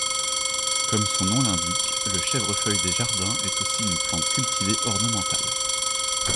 Comme son nom l'indique, le chèvrefeuille des jardins est aussi une plante cultivée ornementale.